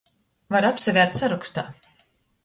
Var apsavērt sarokstā.